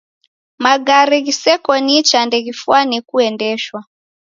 Magare ghiseko nicha ndeghifwane kuendeshwa.